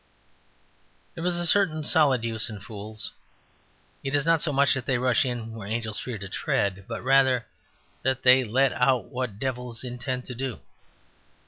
There is a certain solid use in fools. It is not so much that they rush in where angels fear to tread, but rather that they let out what devils intend to do.